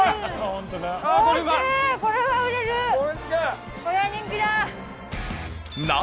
これは人気だ。